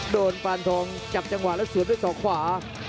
ปานทองจับจังหวะแล้วสวนด้วยศอกขวา